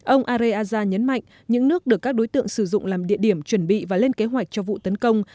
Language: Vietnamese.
ông areaza nhấn mạnh những nước được các đối tượng sử dụng làm địa điểm chuẩn bị và lên kế hoạch cho vụ tấn công